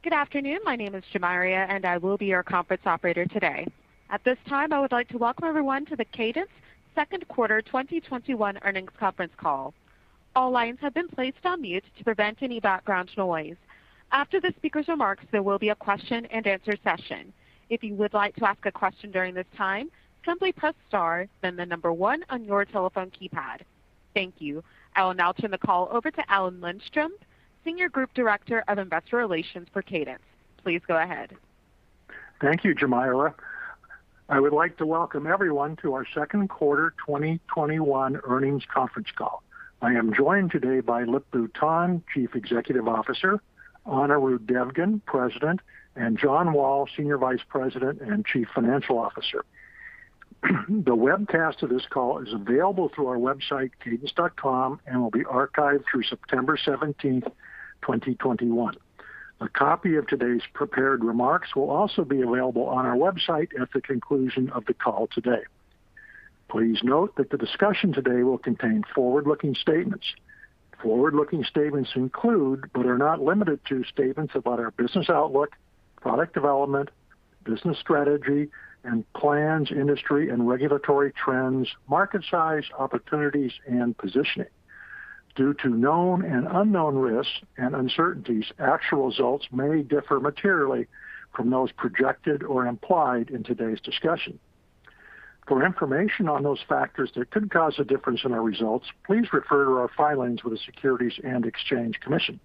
Good afternoon. My name is Jamariya, and I will be your conference operator today. At this time, I would like to welcome everyone to the Cadence Q2 2021 earnings conference call. All lines have been placed on mute to prevent any background noise. After the speaker's remarks, there will be a question-and-answer session. If you would like to ask a question during this time, simply press star, then the number one on your telephone keypad. Thank you. I will now turn the call over to Alan Lindstrom, Senior Group Director, Investor Relations for Cadence. Please go ahead. Thank you, Jamariya. I would like to welcome everyone to our Q2 2021 earnings conference call. I am joined today by Lip-Bu Tan, Chief Executive Officer, Anirudh Devgan, President, and John Wall, Senior Vice President and Chief Financial Officer. The webcast of this call is available through our website, cadence.com, and will be archived through September 17th, 2021. A copy of today's prepared remarks will also be available on our website at the conclusion of the call today. Please note that the discussion today will contain forward-looking statements. Forward-looking statements include, but are not limited to, statements about our business outlook, product development, business strategy and plans, industry and regulatory trends, market size, opportunities, and positioning. Due to known and unknown risks and uncertainties, actual results may differ materially from those projected or implied in today's discussion. For information on those factors that could cause a difference in our results, please refer to our filings with the Securities and Exchange Commission.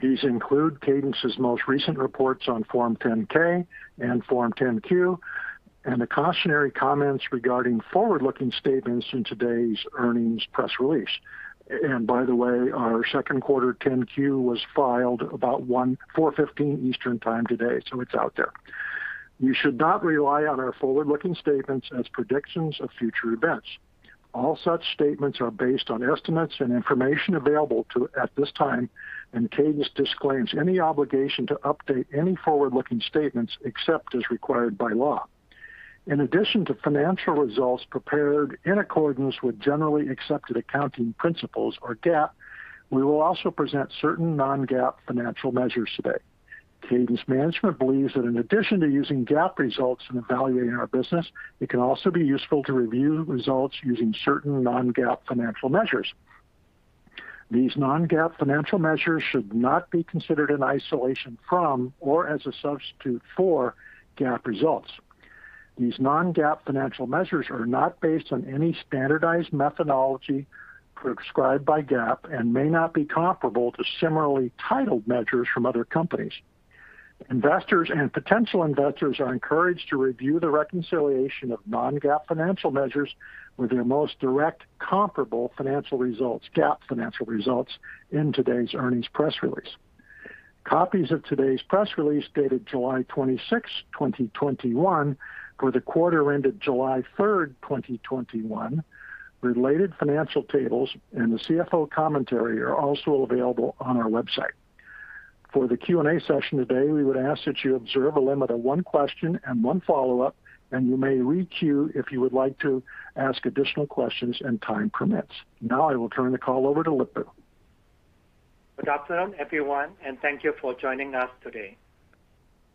These include Cadence's most recent reports on Form 10-K and Form 10-Q, and the cautionary comments regarding forward-looking statements in today's earnings press release. By the way, our Q2 10-Q, was filed about 4:15 P.M. Eastern Time today. It's out there. You should not rely on our forward-looking statements as predictions of future events. All such statements are based on estimates and information available at this time, and Cadence disclaims any obligation to update any forward-looking statements, except as required by law. In addition to financial results prepared in accordance with generally accepted accounting principles or GAAP, we will also present certain non-GAAP financial measures today. Cadence management believes that in addition to using GAAP results in evaluating our business, it can also be useful to review results using certain non-GAAP financial measures. These non-GAAP financial measures should not be considered in isolation from or as a substitute for GAAP results. These non-GAAP financial measures are not based on any standardized methodology prescribed by GAAP and may not be comparable to similarly titled measures from other companies. Investors and potential investors are encouraged to review the reconciliation of non-GAAP financial measures with their most direct comparable financial results, GAAP financial results, in today's earnings press release. Copies of today's press release, dated July 26, 2021, for the quarter ended July 3rd, 2021, related financial tables, and the CFO commentary are also available on our website. For the Q&A session today, we would ask that you observe a limit of one question and one follow-up, and you may re-queue if you would like to ask additional questions and time permits. Now I will turn the call over to Lip-Bu. Good afternoon, everyone, and thank you for joining us today.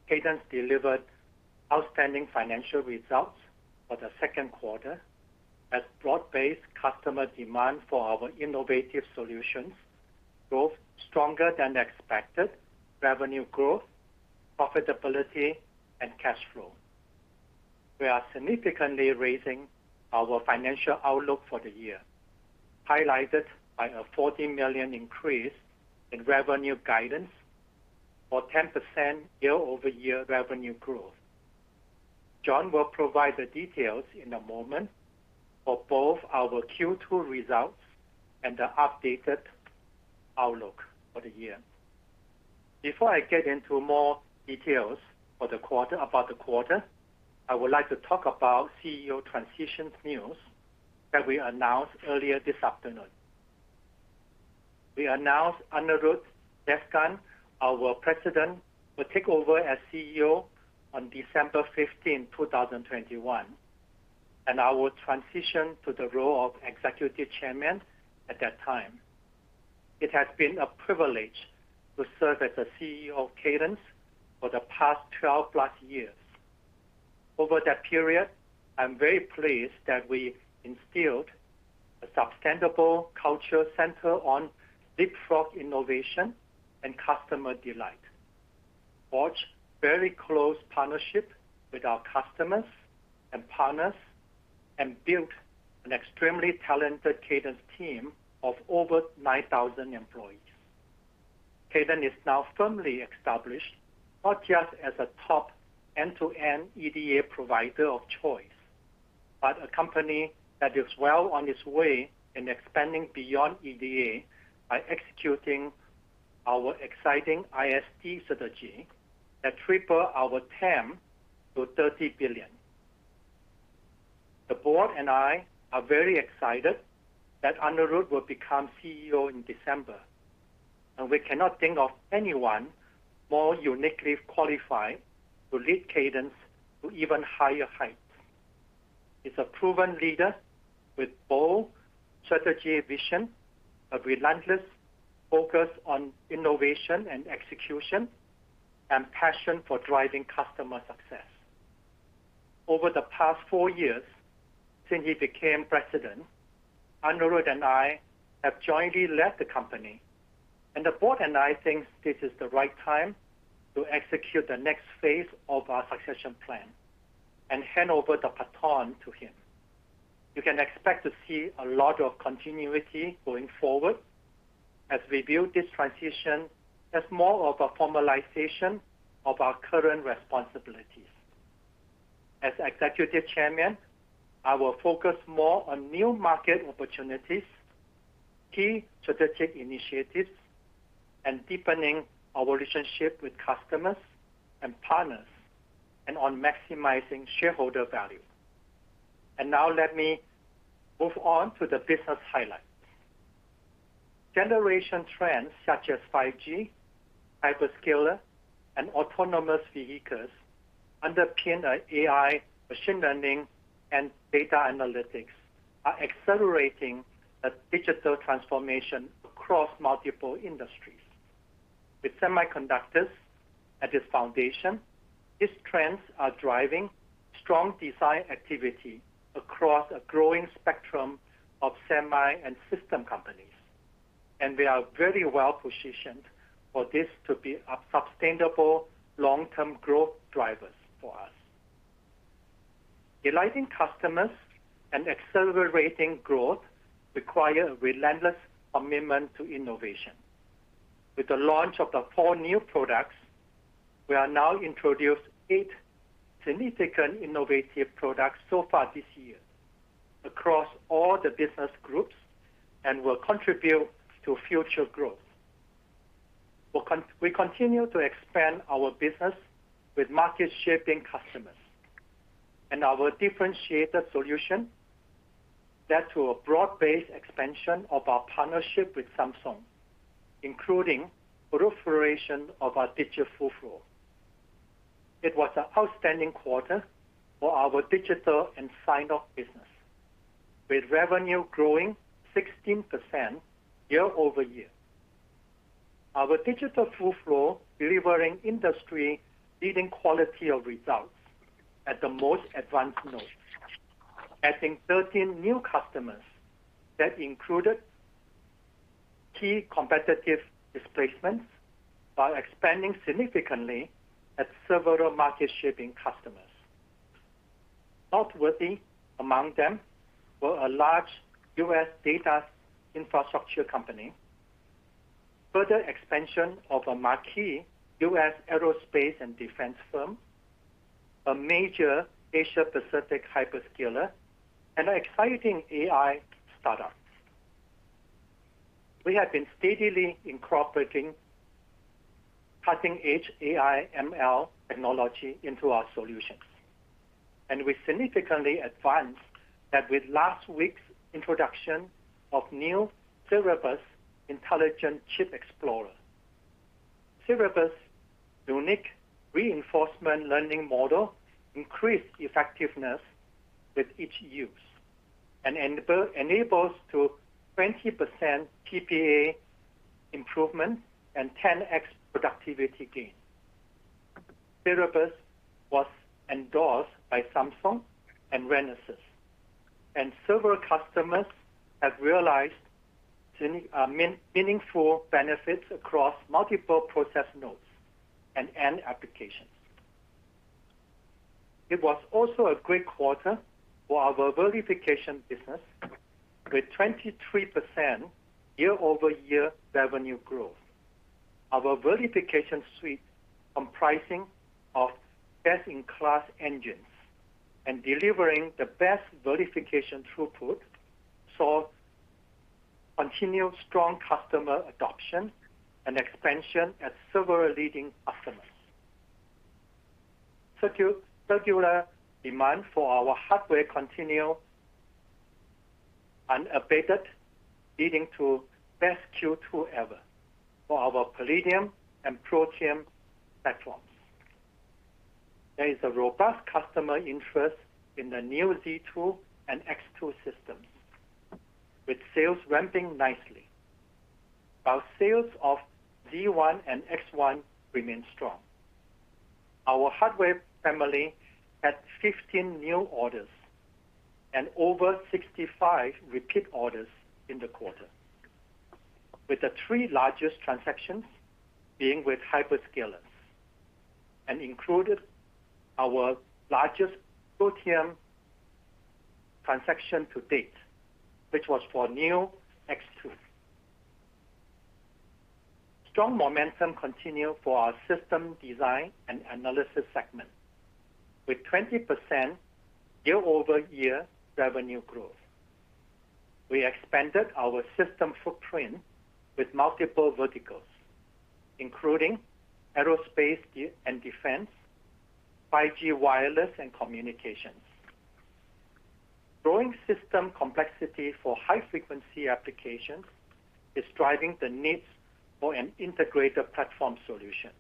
Cadence delivered outstanding financial results for the Q2 as broad-based customer demand for our innovative solutions drove stronger than expected revenue growth, profitability, and cash flow. We are significantly raising our financial outlook for the year, highlighted by a $40 million increase in revenue guidance or 10% year-over-year revenue growth. John will provide the details in a moment for both our Q2 results and the updated outlook for the year. Before I get into more details about the quarter, I would like to talk about CEO transition news that we announced earlier this afternoon. We announced Anirudh Devgan, our President, will take over as CEO on December 15, 2021, and I will transition to the role of Executive Chairman at that time. It has been a privilege to serve as the CEO of Cadence for the past 12+ years. Over that period, I'm very pleased that we instilled a sustainable culture center on leapfrog innovation and customer delight, forged very close partnership with our customers and partners, and built an extremely talented Cadence team of over 9,000 employees. Cadence is now firmly established, not just as a top end-to-end EDA provider of choice, but a company that is well on its way in expanding beyond EDA by executing our exciting ISD strategy that triple our TAM to $30 billion. The board and I are very excited that Anirudh will become CEO in December. We cannot think of anyone more uniquely qualified to lead Cadence to even higher heights. He's a proven leader with bold strategy, vision, a relentless focus on innovation and execution, and passion for driving customer success. Over the past four years since he became president, Anirudh and I have jointly led the company, and the board and I think this is the right time to execute the next phase of our succession plan and hand over the baton to him. You can expect to see a lot of continuity going forward as we view this transition as more of a formalization of our current responsibilities. As executive chairman, I will focus more on new market opportunities, key strategic initiatives, and deepening our relationship with customers and partners, and on maximizing shareholder value. Now let me move on to the business highlights. Generation trends such as 5G, hyperscalers, and autonomous vehicles underpin AI, machine learning, and data analytics are accelerating the digital transformation across multiple industries. With semiconductors at its foundation, these trends are driving strong design activity across a growing spectrum of semi and system companies. We are very well-positioned for this to be a sustainable long-term growth drivers for us. Delighting customers and accelerating growth require a relentless commitment to innovation. With the launch of the four new products, we have now introduced 8 significant innovative products so far this year across all the business groups and will contribute to future growth. We continue to expand our business with market-shaping customers and our differentiated solution led to a broad-based expansion of our partnership with Samsung, including proliferation of our digital flow. It was an outstanding quarter for our digital and sign-off business, with revenue growing 16% year-over-year. Our digital full flow, delivering industry-leading quality of results at the most advanced node, adding 13 new customers that included key competitive displacements while expanding significantly at several market-shaping customers. Noteworthy among them were a large U.S. data infrastructure company, further expansion of a marquee U.S. aerospace and defense firm, a major Asia Pacific hyperscaler, and an exciting AI startup. We have been steadily incorporating cutting-edge AI ML technology into our solutions, and we significantly advanced that with last week's introduction of new Cerebrus intelligent chip explorer. Cerebrus' unique reinforcement learning model increased effectiveness with each use and enables to 20% PPA improvement and 10x productivity gain. Cerebrus was endorsed by Samsung and Renesas, and several customers have realized meaningful benefits across multiple process nodes and end applications. It was also a great quarter for our verification business with 23% year-over-year revenue growth. Our verification suite, comprising of best-in-class engines and delivering the best verification throughput, saw continued strong customer adoption and expansion at several leading customers. Secular demand for our hardware continued unabated, leading to best Q2 ever for our Palladium and Protium platforms. There is a robust customer interest in the new Z2 and X2 systems, with sales ramping nicely, while sales of Z1 and X1 remain strong. Our hardware family had 15 new orders and over 65 repeat orders in the quarter, with the three largest transactions being with hyperscalers and included our largest Protium transaction to-date, which was for new X2. Strong momentum continued for our system design and analysis segment with 20% year-over-year revenue growth. We expanded our system footprint with multiple verticals, including aerospace and defense, 5G wireless and communications. Growing system complexity for high-frequency applications is driving the need for an integrated platform solution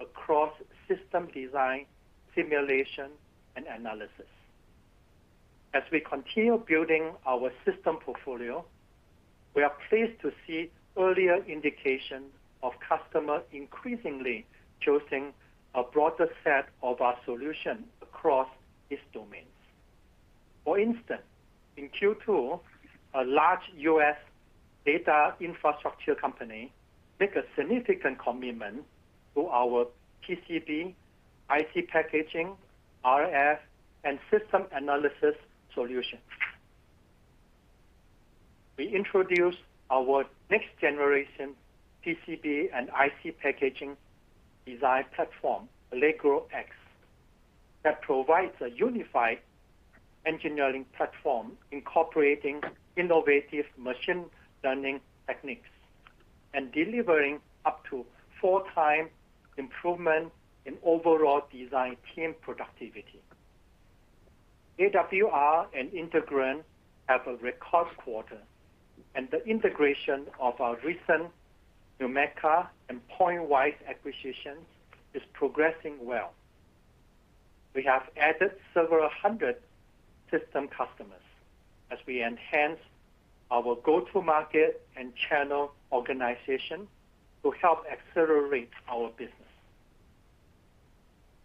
across system design, simulation, and analysis. As we continue building our system portfolio, we are pleased to see earlier indication of customers increasingly choosing a broader set of our solutions across these domains. For instance, in Q2, a large U.S. data infrastructure company made a significant commitment to our PCB, IC packaging, RF, and system analysis solutions. We introduced our next-generation PCB and IC packaging design platform, Allegro X, that provides a unified engineering platform incorporating innovative machine learning techniques and delivering up to 4x improvement in overall design team productivity. AWR and Integrand have a record quarter, and the integration of our recent NUMECA and Pointwise acquisitions is progressing well. We have added several hundred system customers as we enhance our go-to-market and channel organization to help accelerate our business.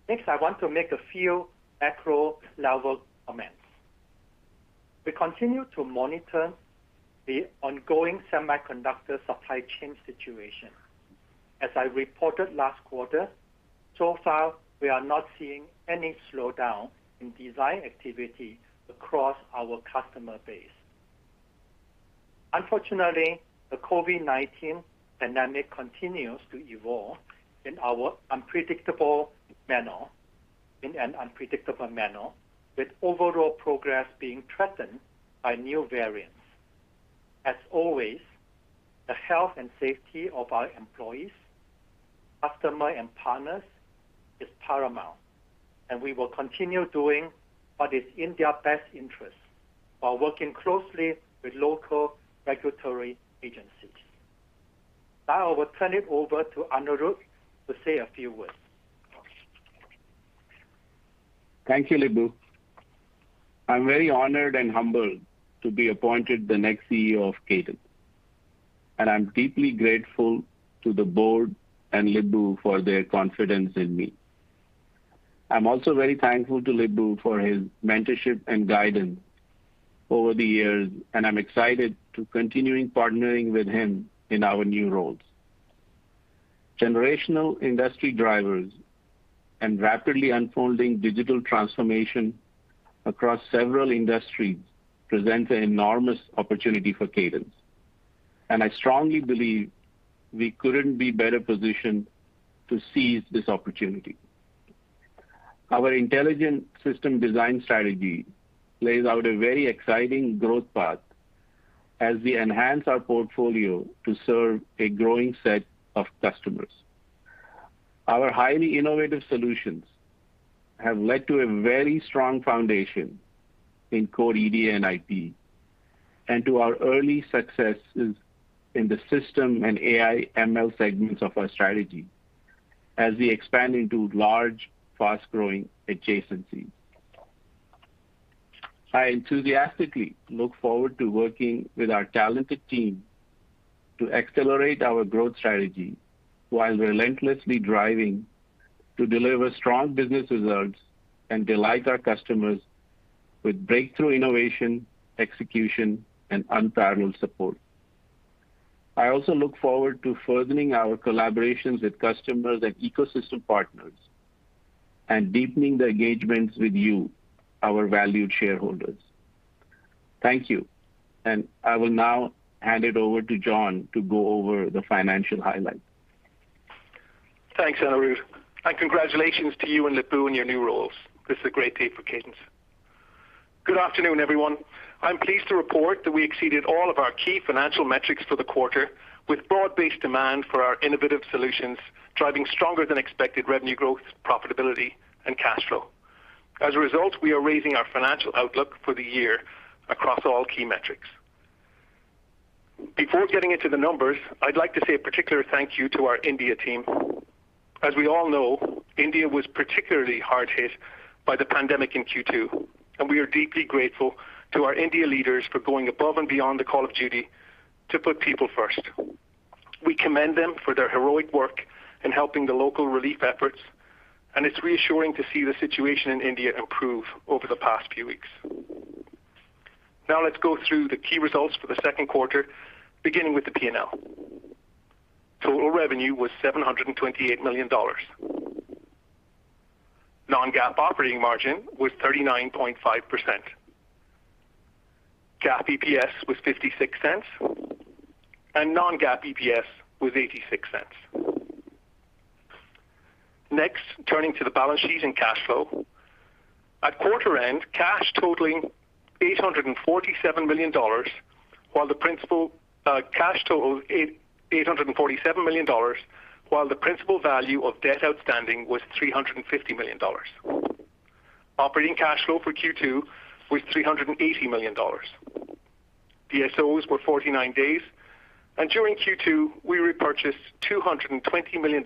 Next, I want to make a few macro level comments. We continue to monitor the ongoing semiconductor supply chain situation. As I reported last quarter, so far, we are not seeing any slowdown in design activity across our customer base. Unfortunately, the COVID-19 pandemic continues to evolve in an unpredictable manner, with overall progress being threatened by new variants. As always, the health and safety of our employees, customer, and partners is paramount, and we will continue doing what is in their best interest while working closely with local regulatory agencies. Now I will turn it over to Anirudh to say a few words. Thank you, Lip-Bu. I'm very honored and humbled to be appointed the next CEO of Cadence, and I'm deeply grateful to the board and Lip-Bu for their confidence in me. I'm also very thankful to Lip-Bu for his mentorship and guidance over the years, and I'm excited to continuing partnering with him in our new roles. Generational industry drivers and rapidly unfolding digital transformation across several industries present an enormous opportunity for Cadence, and I strongly believe we couldn't be better positioned to seize this opportunity. Our intelligent system design strategy lays out a very exciting growth path as we enhance our portfolio to serve a growing set of customers. Our highly innovative solutions have led to a very strong foundation in core EDA and IP and to our early successes in the system and AI ML segments of our strategy as we expand into large, fast-growing adjacencies. I enthusiastically look forward to working with our talented team to accelerate our growth strategy while relentlessly driving to deliver strong business results and delight our customers with breakthrough innovation, execution, and unparalleled support. I also look forward to furthering our collaborations with customers and ecosystem partners and deepening the engagements with you, our valued shareholders. Thank you, and I will now hand it over to John to go over the financial highlights. Thanks, Anirudh. Congratulations to you and Lip-Bu in your new roles. This is a great day for Cadence. Good afternoon, everyone. I'm pleased to report that we exceeded all of our key financial metrics for the quarter with broad-based demand for our innovative solutions, driving stronger than expected revenue growth, profitability, and cash flow. As a result, we are raising our financial outlook for the year across all key metrics. Before getting into the numbers, I'd like to say a particular thank you to our India team. As we all know, India was particularly hard hit by the pandemic in Q2. We are deeply grateful to our India leaders for going above and beyond the call of duty to put people first. We commend them for their heroic work in helping the local relief efforts, and it's reassuring to see the situation in India improve over the past few weeks. Let's go through the key results for the Q2, beginning with the P&L. Total revenue was $728 million. Non-GAAP operating margin was 39.5%. GAAP EPS was $0.56, and non-GAAP EPS was $0.86. Turning to the balance sheet and cash flow. At quarter-end, cash totals $847 million, while the principal value of debt outstanding was $350 million. Operating cash flow for Q2 was $380 million. DSOs were 49 days, and during Q2, we repurchased $220 million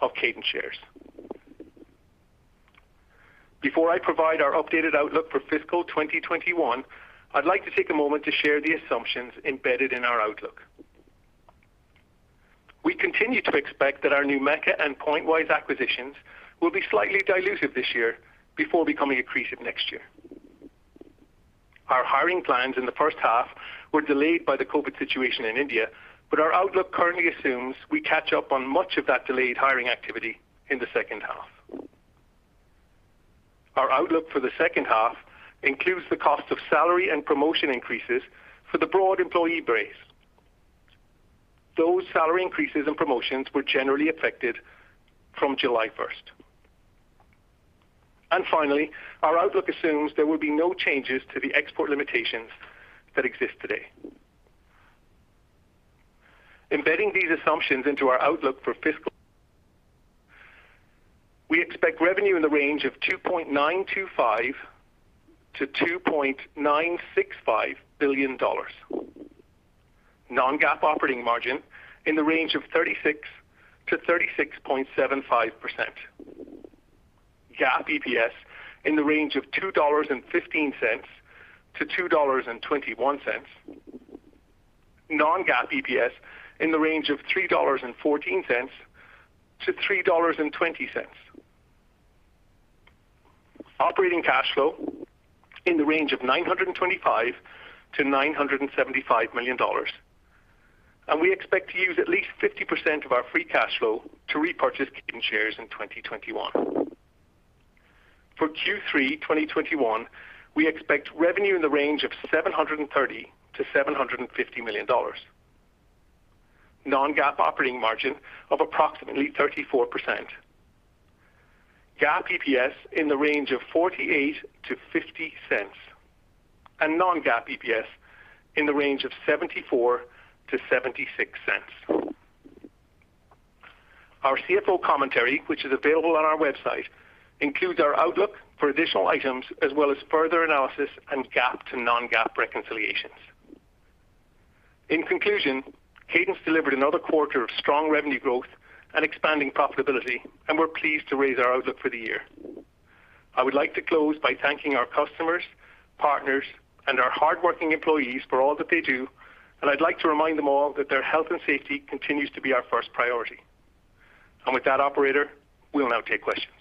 of Cadence shares. Before I provide our updated outlook for fiscal 2021, I'd like to take a moment to share the assumptions embedded in our outlook. We continue to expect that our NUMECA and Pointwise acquisitions will be slightly dilutive this year before becoming accretive next year. Our hiring plans in the H1 were delayed by the COVID situation in India, but our outlook currently assumes we catch up on much of that delayed hiring activity in the H2. Our outlook for the second half includes the cost of salary and promotion increases for the broad employee base. Those salary increases and promotions were generally effective from July 1st. Finally, our outlook assumes there will be no changes to the export limitations that exist today. Embedding these assumptions into our outlook for fiscal, we expect revenue in the range of $2.925 billion-$2.965 billion. Non-GAAP operating margin in the range of 36%-36.75%. GAAP EPS in the range of $2.15-$2.21. Non-GAAP EPS in the range of $3.14-$3.20. Operating cash flow in the range of $925 million-$975 million. We expect to use at least 50% of our free cash flow to repurchase Cadence shares in 2021. For Q3 2021, we expect revenue in the range of $730 million-$750 million. Non-GAAP operating margin of approximately 34%. GAAP EPS in the range of $0.48-$0.50. Non-GAAP EPS in the range of $0.74-$0.76. Our CFO commentary, which is available on our website, includes our outlook for additional items as well as further analysis and GAAP to non-GAAP reconciliations. In conclusion, Cadence delivered another quarter of strong revenue growth and expanding profitability. We're pleased to raise our outlook for the year. I would like to close by thanking our customers, partners, and our hardworking employees for all that they do, and I'd like to remind them all that their health and safety continues to be our first priority. With that, operator, we'll now take questions.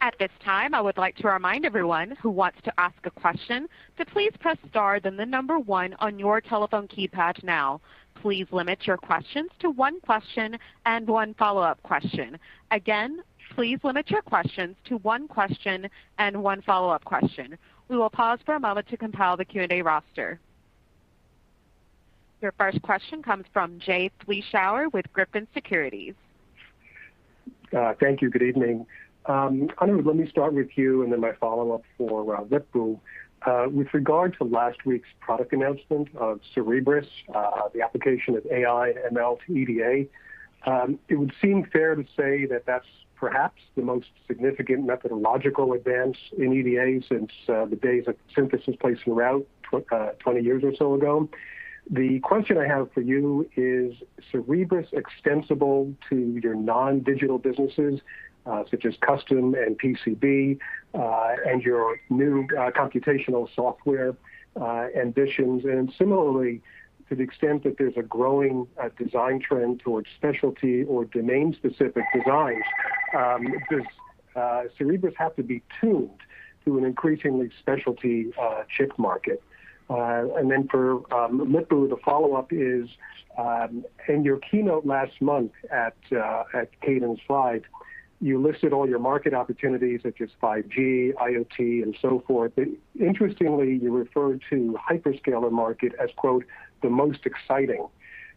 At this time, I would like to remind everyone who wants to ask a question to please press star, then the number one on your telephone keypad now. Please limit your questions to one question and one follow-up question. Again, please limit your questions to one question and one follow-up question. We will pause for a moment to compile the Q&A roster. Your first question comes from Jay Vleeschhouwer with Griffin Securities. Thank you. Good evening. Anirudh, let me start with you and then my follow-up for Lip-Bu. With regard to last week's product announcement of Cerebrus, the application of AI and ML to EDA, it would seem fair to say that that's perhaps the most significant methodological advance in EDA since the days of synthesis, place and route, 20 years or so ago. The question I have for you, is Cerebrus extensible to your non-digital businesses, such as custom and PCB, and your new computational software ambitions? Similarly, to the extent that there's a growing design trend towards specialty or domain-specific designs, does Cerebrus have to be tuned to an increasingly specialty chip market? For Lip-Bu, the follow-up is, in your keynote last month at CadenceLIVE, you listed all your market opportunities, such as 5G, IoT, and so forth, interestingly, you referred to hyperscaler market as, quote, "the most exciting."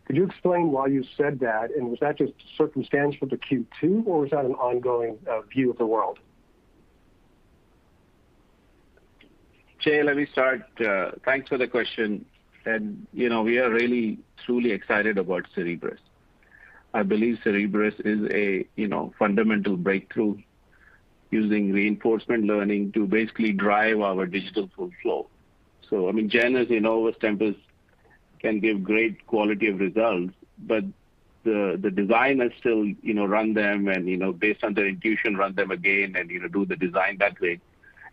Could you explain why you said that, was that just circumstantial to Q2, or is that an ongoing view of the world? Jay, let me start. Thanks for the question. We are really, truly excited about Cerebrus. I believe Cerebrus is a fundamental breakthrough using reinforcement learning to basically drive our digital flow. Genus as you know with Tempus can give great quality of results, but the designers still run them and, based on their intuition, run them again and do the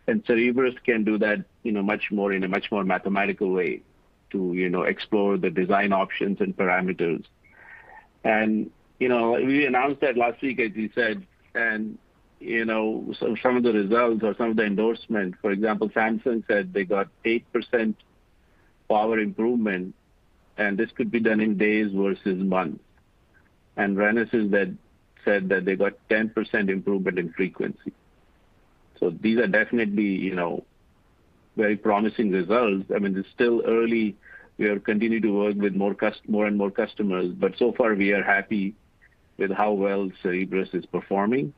uncertain. Cerebrus can do that in a much more mathematical way to explore the design options and parameters. We announced that last week, as you said, and some of the results or some of the endorsements, for example, Samsung said they got 8% power improvement, and this could be done in days versus months. Renesas said that they got 10% improvement in frequency. These are definitely very promising results. It's still early. We are continuing to work with more and more customers, but so far, we are happy with how well Cerebrus is performing.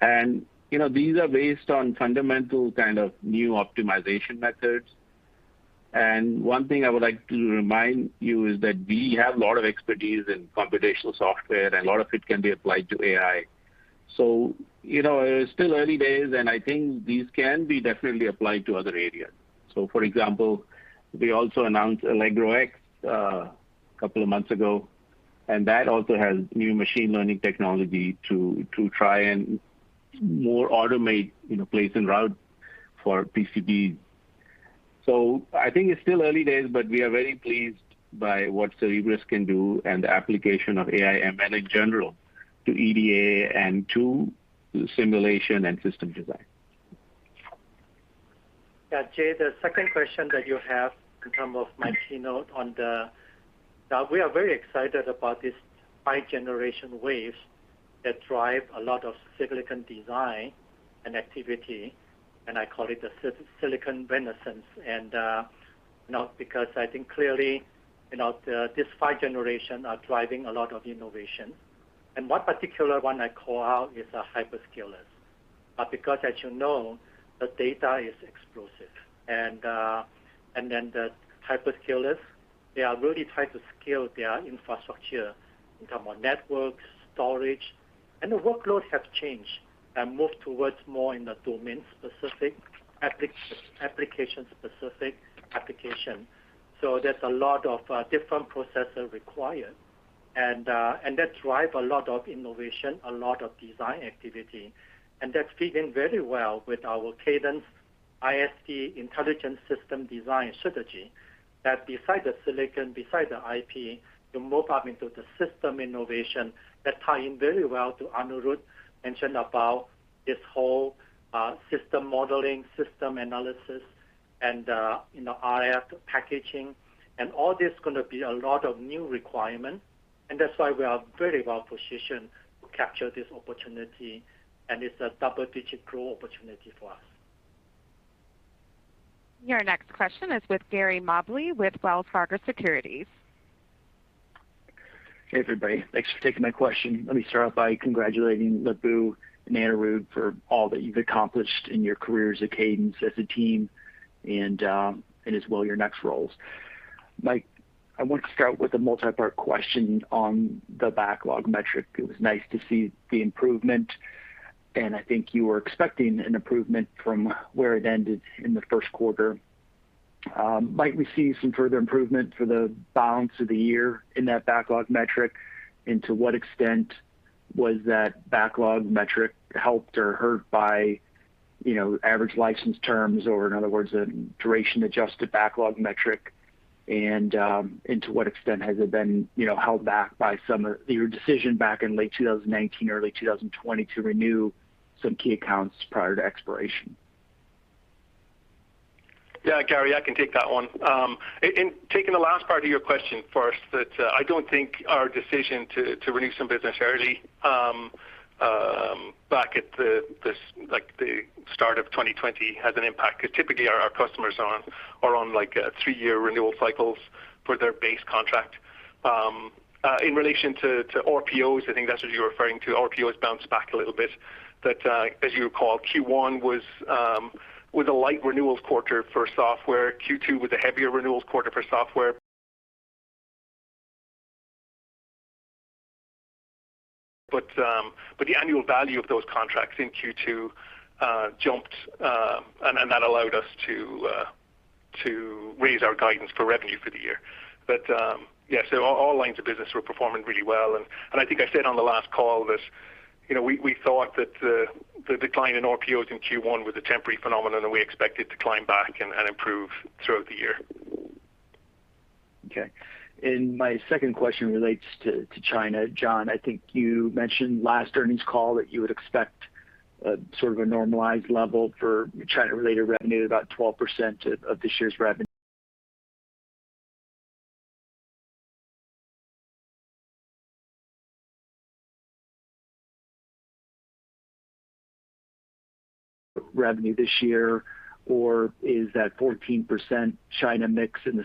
These are based on fundamental kind of new optimization methods. One thing I would like to remind you is that we have a lot of expertise in computational software, and a lot of it can be applied to AI. It is still early days, and I think these can be definitely applied to other areas. For example, we also announced Allegro X a couple of months ago, and that also has new machine learning technology to try and more automate place and route for PCBs. I think it's still early days, but we are very pleased by what Cerebrus can do and the application of AI and ML in general to EDA and to simulation and system design. Yeah, Jay, the second question that you have in term of my keynote. We are very excited about this five-generation waves that drive a lot of silicon design and activity, and I call it the silicon renaissance. Because I think clearly, this five generation are driving a lot of innovation. One particular one I call out is hyperscalers. Because as you know, the data is explosive. The hyperscalers, they are really trying to scale their infrastructure in term of networks, storage. The workload have changed and moved towards more in the domain-specific, application-specific application. There's a lot of different processor required. That drive a lot of innovation, a lot of design activity, and that fit in very well with our Cadence ISD, intelligent system design strategy, that beside the silicon, beside the IP, you move up into the system innovation that tie in very well to Anirudh mentioned about this whole system modeling, system analysis and, RF packaging. All this going to be a lot of new requirement, and that's why we are very well-positioned to capture this opportunity, and it's a double-digit growth opportunity for us. Your next question is with Gary Mobley with Wells Fargo Securities. Hey, everybody. Thanks for taking my question. Let me start off by congratulating Lip-Bu and Anirudh for all that you've accomplished in your careers at Cadence as a team and, as well, your next roles. I wanted to start with a multipart question on the backlog metric. It was nice to see the improvement, and I think you were expecting an improvement from where it ended in the Q1. Might we see some further improvement for the balance of the year in that backlog metric? To what extent was that backlog metric helped or hurt by average license terms, or in other words, a duration-adjusted backlog metric? To what extent has it been held back by some of your decision back in late 2019, early 2020 to renew some key accounts prior to expiration? Yeah, Gary, I can take that one. In taking the last part of your question first, that I don't think our decision to renew some business early back at the start of 2020 had an impact, because typically, our customers are on a three-year renewal cycles for their base contract. In relation to RPOs, I think that's what you're referring to, RPOs bounced back a little bit. As you recall, Q1 was a light renewals quarter for software. Q2 was a heavier renewals quarter for software. The annual value of those contracts in Q2 jumped, and that allowed us to raise our guidance for revenue for the year. Yeah, all lines of business were performing really well, and I think I said on the last call that we thought that the decline in RPOs in Q1 was a temporary phenomenon, and we expect it to climb back and improve throughout the year. Okay. My second question relates to China. John, I think you mentioned last earnings call that you would expect sort of a normalized level for China-related revenue, about 12% of this year's revenue. Revenue this year, or is that 14% China mix in the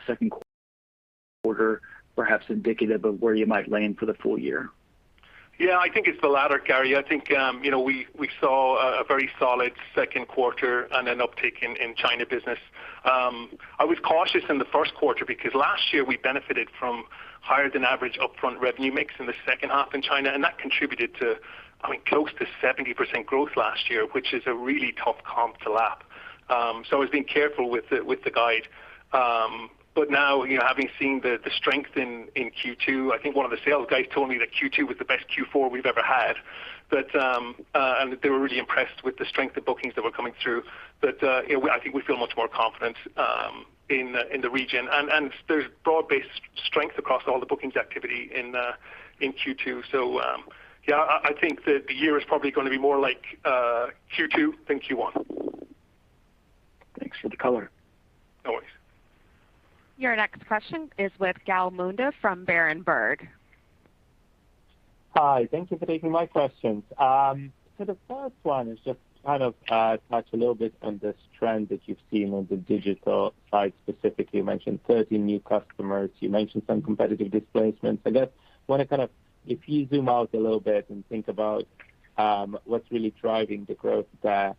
Q2 perhaps indicative of where you might land for the full-year? Yeah, I think it's the latter, Gary. I think, we saw a very solid Q2 and an uptick in China business. I was cautious in the Q1 because last year we benefited from higher than average upfront revenue mix in the H2 in China, and that contributed to, I think, close to 70% growth last year, which is a really tough comp to lap. I was being careful with the guide. Now, having seen the strength in Q2, I think one of the sales guys told me that Q2 was the best Q4 we've ever had, and they were really impressed with the strength of bookings that were coming through. I think we feel much more confident in the region. There's broad-based strength across all the bookings activity in Q2. Yeah, I think that the year is probably going to be more like Q2 than Q1. Thanks for the color. Always. Your next question is with Gal Munda from Berenberg. Hi. Thank you for taking my questions. The first one is just kind of touch a little bit on this trend that you've seen on the digital side, specifically, you mentioned 3 new customers. You mentioned some competitive displacements. I guess, if you zoom out a little bit and think about what's really driving the growth there,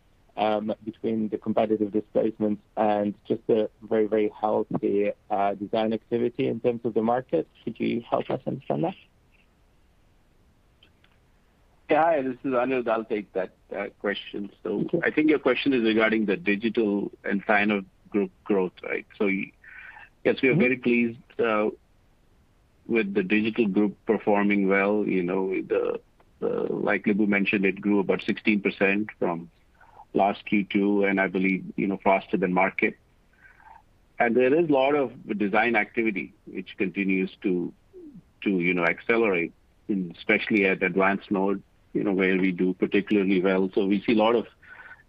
between the competitive displacements and just the very, very healthy design activity in terms of the market, could you help us understand that? Yeah. Hi, this is Anirudh. I'll take that question. Okay. I think your question is regarding the digital and sign-off group growth, right? Yes, we are very pleased with the digital group performing well. Like Lip-Bu Tan mentioned, it grew about 16% from last Q2, and I believe faster than market. There is a lot of design activity which continues to accelerate, especially at advanced node, where we do particularly well. We see a lot of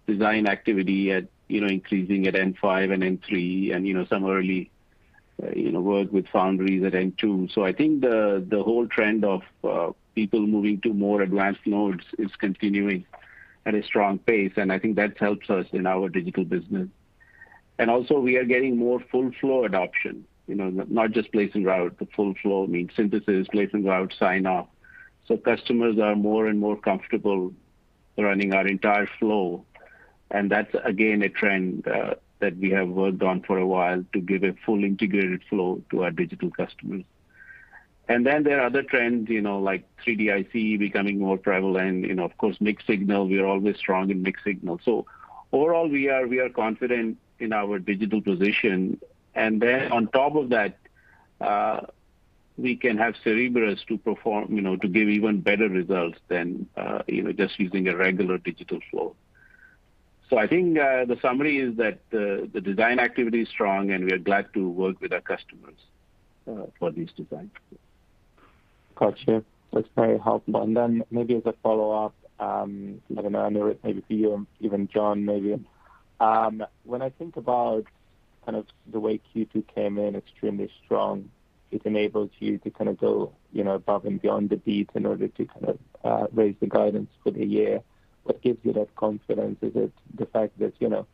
design activity increasing at N5 and N3 and some early work with foundries at N2. I think the whole trend of people moving to more advanced nodes is continuing at a strong pace, and I think that helps us in our digital business. Also we are getting more full flow adoption, not just place and route, but full flow means synthesis, place and route sign off. Customers are more and more comfortable running our entire flow, and that's again, a trend that we have worked on for a while to give a full integrated flow to our digital customers. There are other trends, like 3D IC becoming more prevalent, of course, mixed signal, we are always strong in mixed signal. Overall, we are confident in our digital position. On top of that, we can have Cerebrus to give even better results than just using a regular digital flow. I think the summary is that the design activity is strong, and we are glad to work with our customers for these designs. Got you. That's very helpful. Maybe as a follow-up, I don't know, Anirudh, maybe for you or even John, maybe. When I think about the way Q2 came in extremely strong, it enabled you to go above and beyond the beat in order to raise the guidance for the year. What gives you that confidence? Is it the fact that you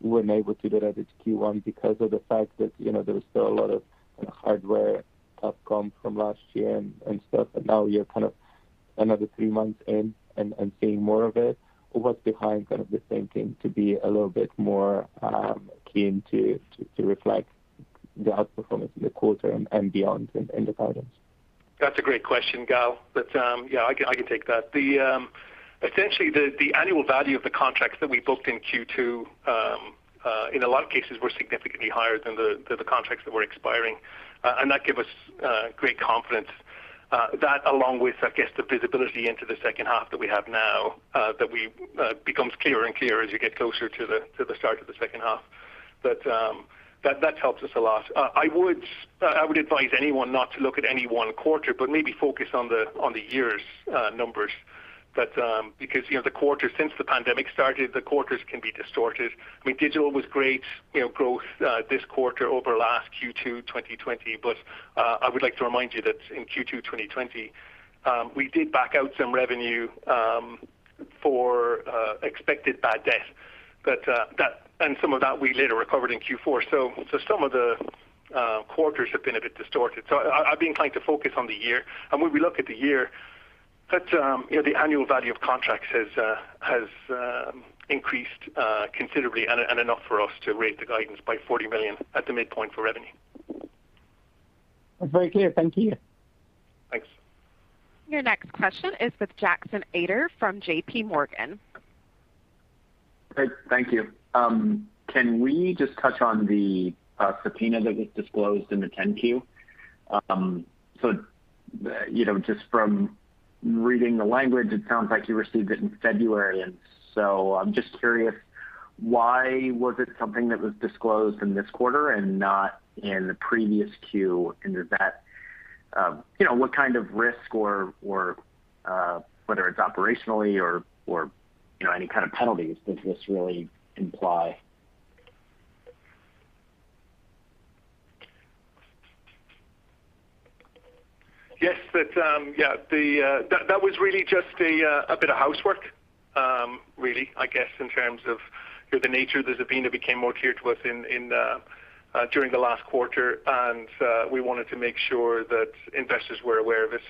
were unable to do that at Q1 because of the fact that there was still a lot of hardware outcome from last year and stuff, and now you're another three months in and seeing more of it? What's behind the thinking to be a little bit more keen to reflect the outperformance in the quarter and beyond in the guidance? That's a great question, Gal. Yeah, I can take that. Essentially, the annual value of the contracts that we booked in Q2, in a lot of cases, were significantly higher than the contracts that were expiring, and that gave us great confidence. That along with, I guess, the visibility into the H2 that we have now, that becomes clearer and clearer as you get closer to the start of the H2. That helps us a lot. I would advise anyone not to look at any one quarter, but maybe focus on the year's numbers. Since the pandemic started, the quarters can be distorted. I mean, digital was great growth this quarter over last Q2 2020, but I would like to remind you that in Q2 2020, we did back out some revenue for expected bad debt, and some of that we later recovered in Q4. Some of the quarters have been a bit distorted. I've been trying to focus on the year, and when we look at the year, the annual value of contracts has increased considerably and enough for us to raise the guidance by $40 million at the midpoint for revenue. Very clear. Thank you. Thanks. Your next question is with Jackson Ader from J.P. Morgan. Great. Thank you. Can we just touch on the subpoena that was disclosed in the 10-Q? Just from reading the language, it sounds like you received it in February, and so I'm just curious, why was it something that was disclosed in this quarter and not in the previous Q? What kind of risk, whether it's operationally or any kind of penalties, does this really imply? Yes. That was really just a bit of housework, really, I guess, in terms of the nature of the subpoena became more clear to us during the last quarter. We wanted to make sure that investors were aware of it.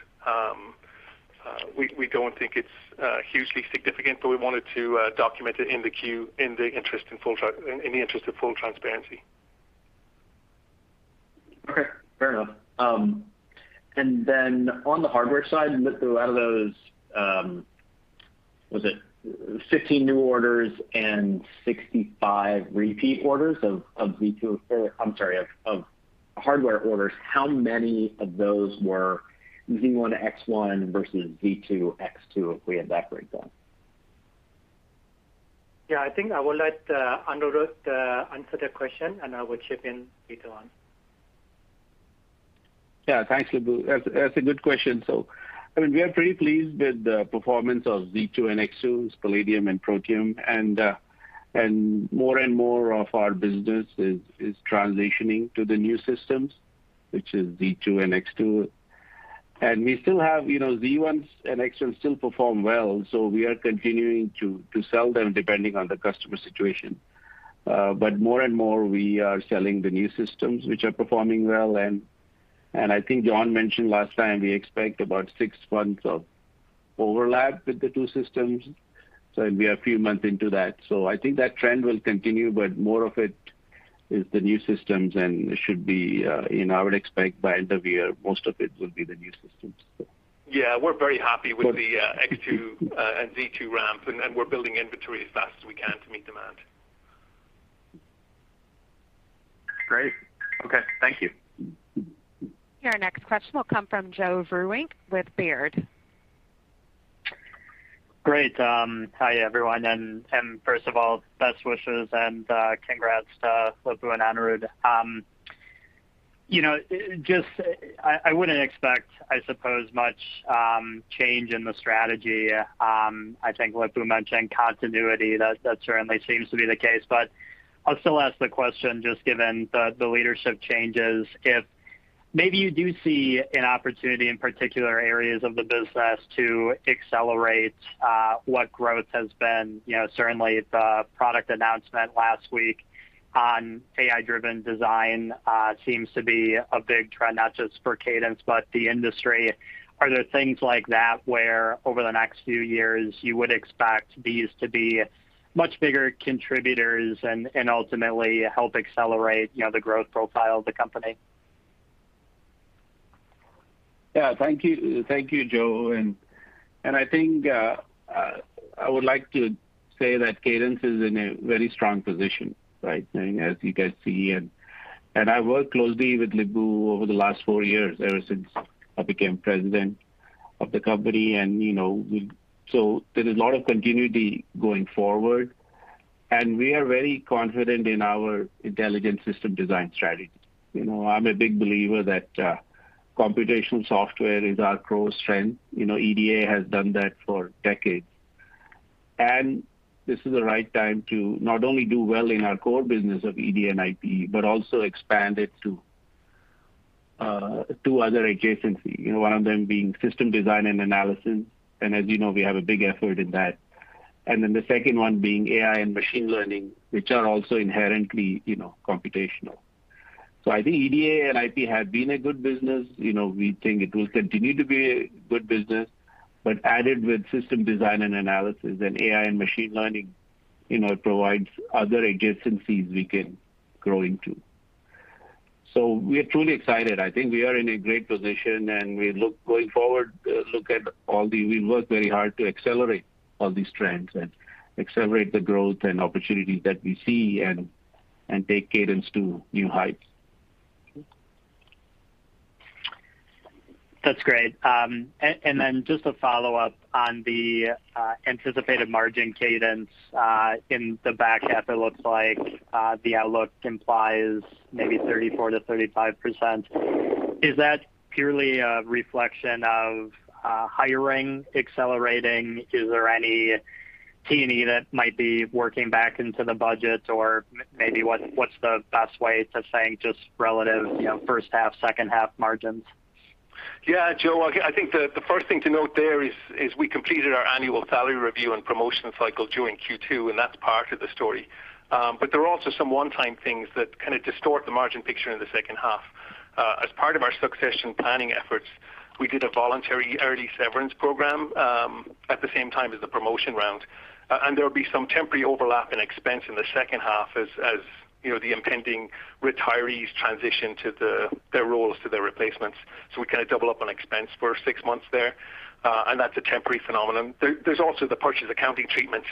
We don't think it's hugely significant. We wanted to document it in the Q in the interest of full transparency. Okay. Fair enough. On the hardware side, out of those, was it 15 new orders and 65 repeat orders of Z2 I'm sorry, of hardware orders, how many of those were Z1, X1 versus Z2, X2, if we have that breakdown? Yeah, I think I will let Anirudh answer the question, and I will chip in later on. Thanks, Lip-Bu. That's a good question. We are pretty pleased with the performance of Z2 and X2, Palladium and Protium, and more and more of our business is transitioning to the new systems, which is Z2 and X2. We still have Z1s and X1s still perform well, so we are continuing to sell them depending on the customer situation. More and more we are selling the new systems, which are performing well, and I think John mentioned last time, we expect about six months of overlap with the two systems, so it'll be a few months into that. I think that trend will continue, but more of it is the new systems, and it should be, I would expect by end of the year, most of it will be the new systems. Yeah. We're very happy with the X2 and Z2 ramp, and we're building inventory as fast as we can to meet demand. Great. Okay. Thank you. Your next question will come from Joe Vruwink with Baird. Great. Hi, everyone. First of all, best wishes and congrats to Lip-Bu and Anirudh. I wouldn't expect, I suppose, much change in the strategy. I think Lip-Bu mentioned continuity. That certainly seems to be the case, I'll still ask the question, just given the leadership changes, if maybe you do see an opportunity in particular areas of the business to accelerate what growth has been. Certainly, the product announcement last week on AI-driven design, seems to be a big trend, not just for Cadence, but the industry. Are there things like that where over the next few years you would expect these to be much bigger contributors and ultimately help accelerate the growth profile of the company? Thank you, Joe. I think, I would like to say that Cadence is in a very strong position right now, as you guys see. I worked closely with Lip-Bu over the last four years, ever since I became President of the company. There's a lot of continuity going forward. We are very confident in our intelligent system design strategy. I'm a big believer that computational software is our core strength. EDA has done that for decades. This is the right time to not only do well in our core business of EDA and IP, but also expand it to other adjacencies, one of them being system design and analysis. As you know, we have a big effort in that. The second one being AI and machine learning, which are also inherently computational. I think EDA and IP have been a good business. We think it will continue to be a good business, but added with system design and analysis and AI and machine learning, it provides other adjacencies we can grow into. We are truly excited. I think we are in a great position and we look going forward, we work very hard to accelerate all these trends and accelerate the growth and opportunities that we see and take Cadence to new heights. That's great. Just a follow-up on the anticipated margin cadence, in the back half, it looks like, the outlook implies maybe 34%-35%. Is that purely a reflection of hiring accelerating? Is there any T&E that might be working back into the budget? Maybe what's the best way to saying just relative H1, H2 margins? Joe, I think the first thing to note there is we completed our annual salary review and promotion cycle during Q2, and that's part of the story. There are also some one-time things that kind of distort the margin picture in the H2. As part of our succession planning efforts, we did a voluntary early severance program, at the same time as the promotion round. There will be some temporary overlap in expense in the H2 as the impending retirees transition their roles to their replacements. We kind of double up on expense for six months there, and that's a temporary phenomenon. There's also the purchase accounting treatment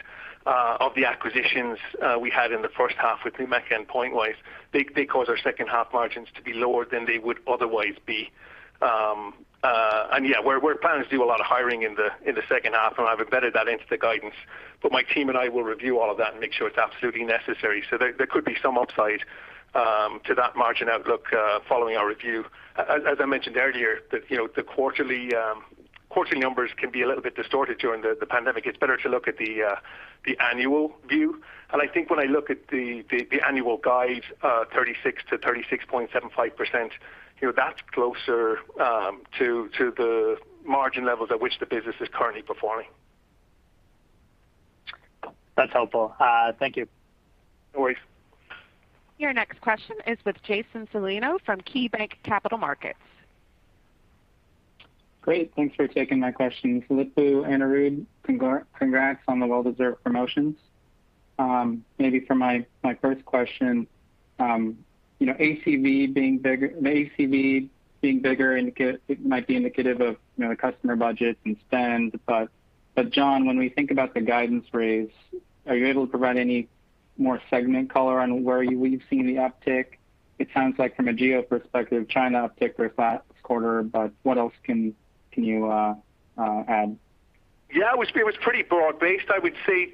of the acquisitions we had in the H1 with NUMECA and Pointwise. They cause our H2 margins to be lower than they would otherwise be. Yeah, we're planning to do a lot of hiring in the H2, and I've embedded that into the guidance. My team and I will review all of that and make sure it's absolutely necessary. There could be some upside to that margin outlook following our review. As I mentioned earlier, the quarterly numbers can be a little bit distorted during the pandemic. It's better to look at the annual view. I think when I look at the annual guide, 36%-36.75%, that's closer to the margin levels at which the business is currently performing. That's helpful. Thank you. No worries. Your next question is with Jason Celino from KeyBanc Capital Markets. Great. Thanks for taking my questions. Lip-Bu, Anirudh, congrats on the well-deserved promotions. Maybe for my first question, ACV being bigger might be indicative of the customer budgets and spend, but John, when we think about the guidance raise, are you able to provide any more segment color on where we've seen the uptick? It sounds like from a geo perspective, China uptick their flat quarter, but what else can you add? Yeah, it was pretty broad-based. I would say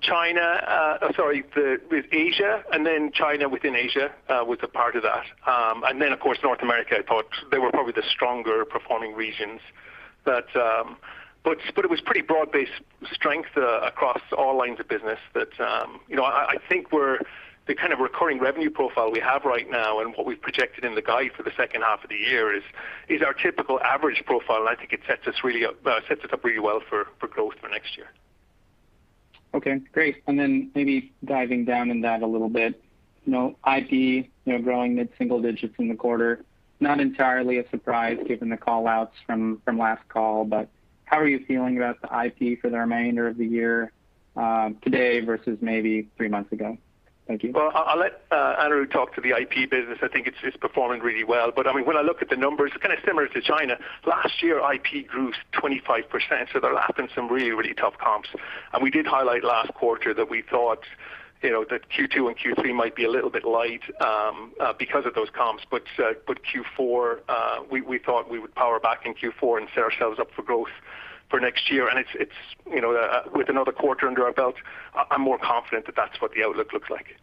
China. Sorry, with Asia and then China within Asia, was a part of that. Of course, North America, I thought they were probably the stronger performing regions. It was pretty broad-based strength across all lines of business. I think we're the kind of recurring revenue profile we have right now and what we've projected in the guide for the H2 of the year is our typical average profile, and I think it sets us up really well for. Okay, great. Maybe diving down in that a little bit, IP growing mid-single digits in the quarter, not entirely a surprise given the call-outs from last call, but how are you feeling about the IP for the remainder of the year, today versus maybe three months ago? Thank you. Well, I'll let Anirudh talk to the IP business. I think it's just performing really well. When I look at the numbers, kind of similar to China, last year IP grew 25%, so they're lapping some really tough comps. We did highlight last quarter that we thought that Q2 and Q3 might be a little bit light because of those comps, but Q4, we thought we would power back in Q4 and set ourselves up for growth for next year. With another quarter under our belt, I'm more confident that's what the outlook looks like.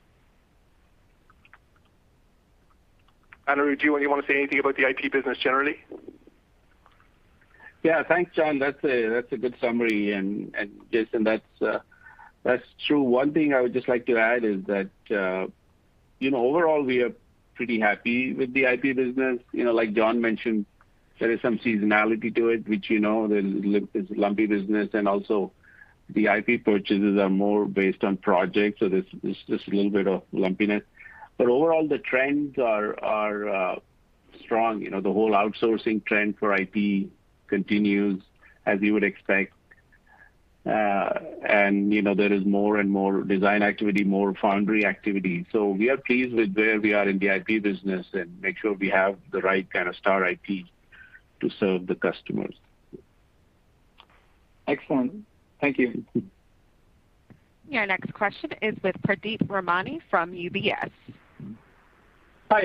Anirudh, do you want to say anything about the IP business generally? Yeah. Thanks, John. That's a good summary. Jason, that's true. One thing I would just like to add is that overall we are pretty happy with the IP business. Like John mentioned, there is some seasonality to it, which you know, it's a lumpy business, and also the IP purchases are more based on projects, so there's just a little bit of lumpiness. Overall, the trends are strong. The whole outsourcing trend for IP continues as you would expect. There is more and more design activity, more foundry activity. We are pleased with where we are in the IP business and make sure we have the right kind of star IP to serve the customers. Excellent. Thank you. Your next question is with Pradeep Ramani from UBS. Hi,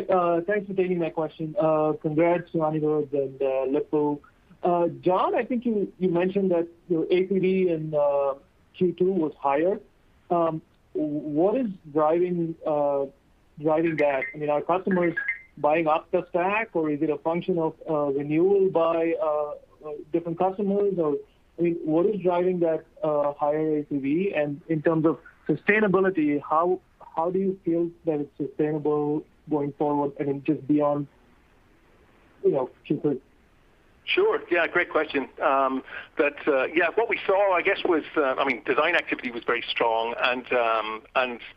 thanks for taking my question. Congrats to Anirudh and Lip-Bu. John, I think you mentioned that your ACV in Q2 was higher. What is driving that? Are customers buying up the stack, or is it a function of renewal by different customers, or what is driving that higher ACV? In terms of sustainability, how do you feel that it's sustainable going forward, just beyond Q2? Sure. Yeah, great question. What we saw, I guess was, design activity was very strong, and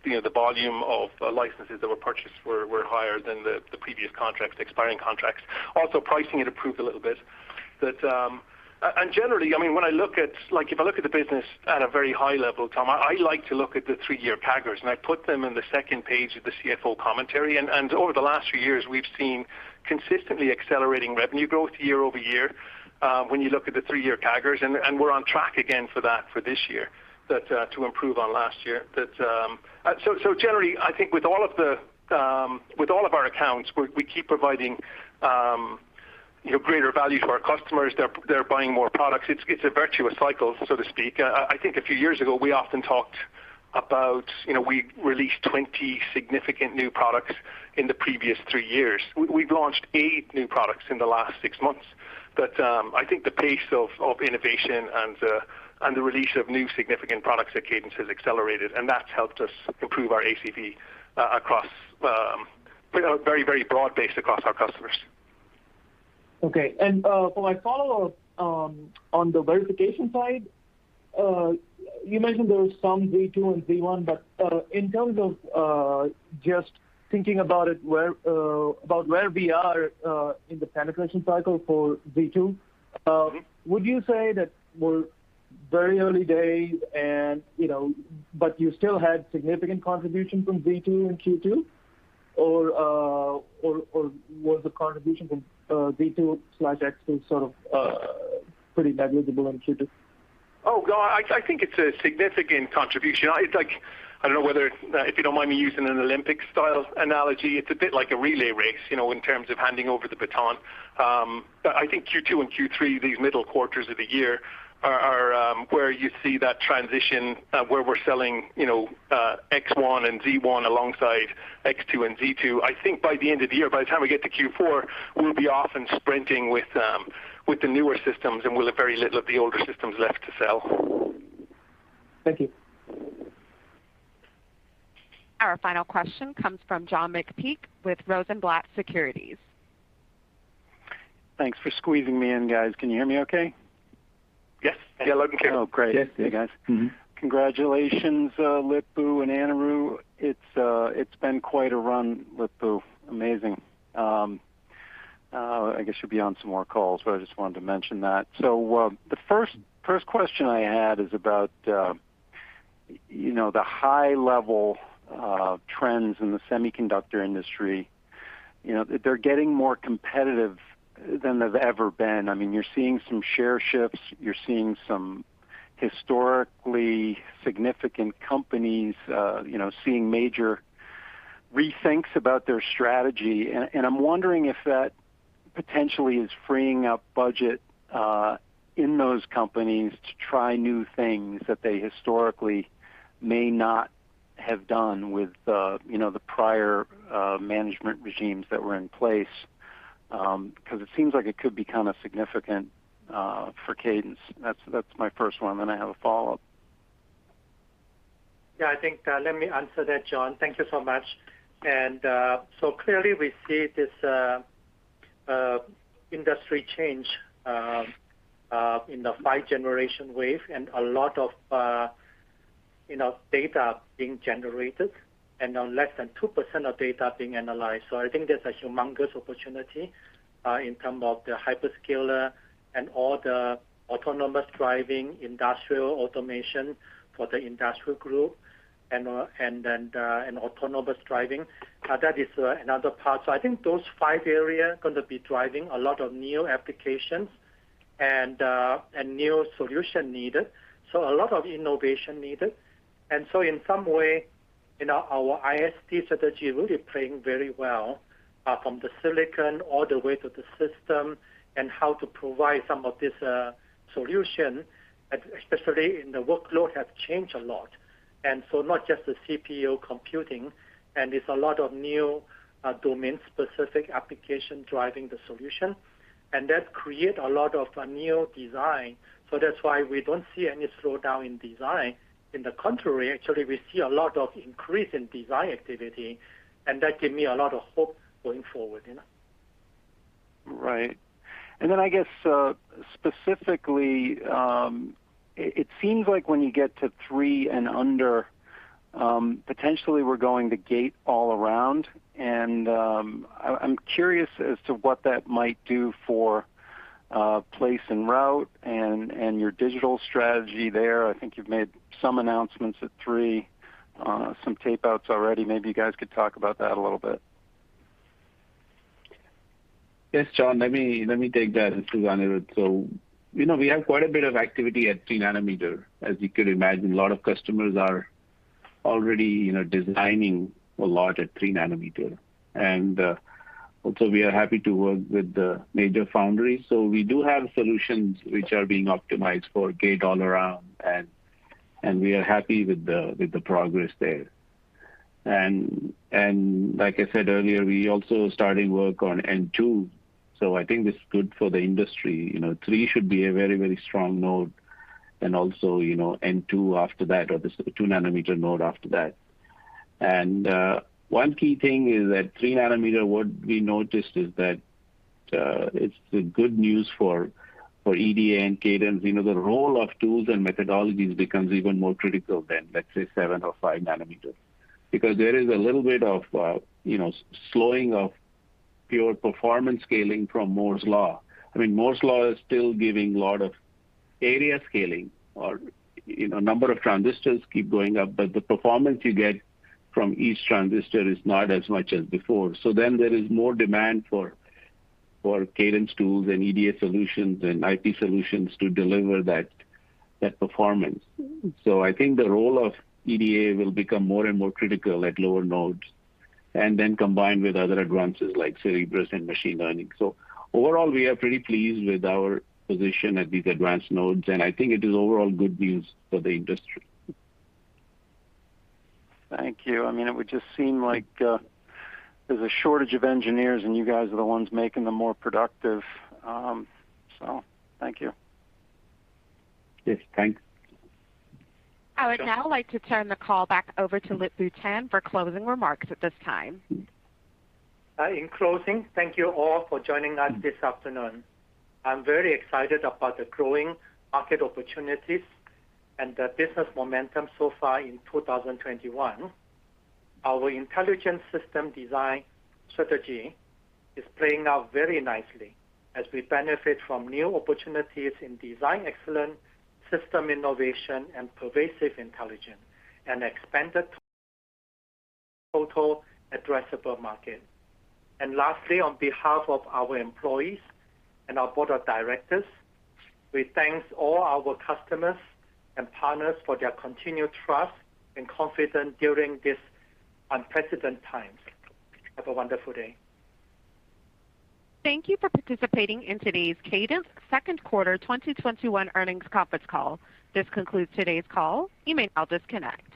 the volume of licenses that were purchased were higher than the previous expiring contracts. Also, pricing had improved a little bit. Generally, if I look at the business at a very high level, I like to look at the three-year CAGRs, and I put them in the second page of the CFO commentary. Over the last few years, we've seen consistently accelerating revenue growth year-over-year, when you look at the three-year CAGRs, and we're on track again for that for this year, to improve on last year. Generally, I think with all of our accounts, we keep providing greater value to our customers. They're buying more products. It's a virtuous cycle, so to speak. I think a few years ago, we often talked about we released 20 significant new products in the previous three years. We've launched eight new products in the last six months. I think the pace of innovation and the release of new significant products at Cadence has accelerated, and that's helped us improve our ACV very broad-based across our customers. Okay. For my follow-up, on the verification side, you mentioned there was some Z2 and Z1, but in terms of just thinking about where we are in the penetration cycle for Z2, would you say that we're very early days, but you still had significant contribution from Z2 in Q2? Was the contribution from Z2/X2 sort of pretty negligible in Q2? Oh, God, I think it's a significant contribution. If you don't mind me using an Olympic style analogy, it's a bit like a relay race, in terms of handing over the baton. I think Q2 and Q3, these middle quarters of the year, are where you see that transition where we're selling X1 and Z1 alongside X2 and Z2. I think by the end of the year, by the time we get to Q4, we'll be off and sprinting with the newer systems, and we'll have very little of the older systems left to sell. Thank you. Our final question comes from John McPeake with Rosenblatt Securities. Thanks for squeezing me in, guys. Can you hear me okay? Yes. Yeah, loud and clear. Oh, great. Yes. Hey, guys. Congratulations, Lip-Bu and Anirudh. It's been quite a run, Lip-Bu. Amazing. I guess you'll be on some more calls. I just wanted to mention that. The first question I had is about the high level of trends in the semiconductor industry. They're getting more competitive than they've ever been. You're seeing some share shifts. You're seeing some historically significant companies seeing major rethinks about their strategy. I'm wondering if that potentially is freeing up budget in those companies to try new things that they historically may not have done with the prior management regimes that were in place. It seems like it could become significant for Cadence. That's my first one. I have a follow-up. Yeah, I think let me answer that, John. Thank you so much. Clearly we see this Industry change in the 5G wave and a lot of data being generated, and now less than 2% of data being analyzed. I think there's a humongous opportunity in term of the hyperscaler and all the autonomous driving, industrial automation for the industrial group, and then an autonomous driving. That is another part. I think those five areas going to be driving a lot of new applications and new solution needed. A lot of innovation needed. In some way, our ISD strategy really playing very well from the silicon all the way to the system and how to provide some of this solution, especially in the workload have changed a lot. Not just the CPU computing and it's a lot of new domain specific application driving the solution, and that create a lot of a new design. That's why we don't see any slowdown in design. In the contrary, actually, we see a lot of increase in design activity, and that give me a lot of hope going forward. Right. I guess, specifically, it seems like when you get to three and under, potentially we're going to gate-all-around and, I'm curious as to what that might do for place and route and your digital strategy there. I think you've made some announcements at three, some tape outs already. Maybe you guys could talk about that a little bit. Yes, John, let me take that. We have quite a bit of activity at 3 nm. As you could imagine, a lot of customers are already designing a lot at 3 nm. Also we are happy to work with the major foundry. We do have solutions which are being optimized for gate-all-around and we are happy with the progress there. Like I said earlier, we also starting work on N2, so I think this is good for the industry. 3 nm should be a very strong node and also, N2 after that, or this 2 nm node after that. One key thing is at 3 nanometer, what we noticed is that, it's the good news for EDA and Cadence. The role of tools and methodologies becomes even more critical than, let's say, 7 nm or 5 nm. Because there is a little bit of slowing of pure performance scaling from Moore's Law. I mean, Moore's Law is still giving lot of area scaling or number of transistors keep going up, but the performance you get from each transistor is not as much as before. There is more demand for Cadence tools and EDA solutions and IP solutions to deliver that performance. I think the role of EDA will become more and more critical at lower nodes, and then combined with other advances like Cerebrus and machine learning. Overall, we are pretty pleased with our position at these advanced nodes, and I think it is overall good news for the industry. Thank you. It would just seem like there's a shortage of engineers, and you guys are the ones making them more productive. Thank you. Yes. Thanks. I would now like to turn the call back over to Lip-Bu Tan for closing remarks at this time. In closing, thank you all for joining us this afternoon. I'm very excited about the growing market opportunities and the business momentum so far in 2021. Our Intelligent System Design strategy is playing out very nicely as we benefit from new opportunities in Design Excellence, System Innovation, and Pervasive Intelligence, and expanded total addressable market. Lastly, on behalf of our employees and our board of directors, we thank all our customers and partners for their continued trust and confidence during this unprecedented times. Have a wonderful day. Thank you for participating in today's Cadence Q2 2021 earnings conference call. This concludes today's call. You may now disconnect.